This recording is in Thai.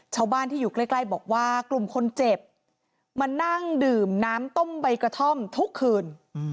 ชาวบ้านที่อยู่ใกล้บอกว่ากลุ่มคนเจ็บมานั่งดื่มน้ำต้มใบกระท่อมทุกคืน